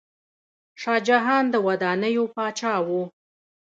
شاه جهان د ودانیو پاچا و.